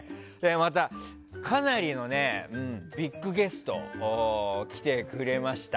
また、かなりのビッグゲスト来てくれました。